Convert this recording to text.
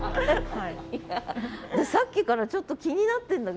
でさっきからちょっと気になってんだけど